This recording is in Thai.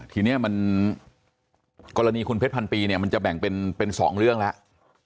ทีนี้มันกรณีคุณเพชรพันปีเนี่ยมันจะแบ่งเป็น๒เรื่องแล้ว